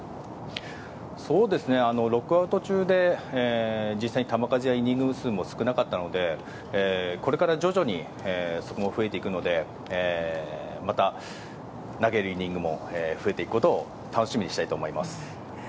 ロックアウト中で実際に球数やイニング数も少なかったのでこれから徐々にそこも増えていくのでまた投げるイニングも増えていくことを楽しみにしたいと思います。